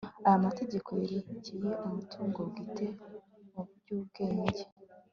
aya mategeko yerekeye umutungo bwite mu by'ubwenge